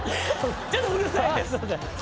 ちょっとうるさいです。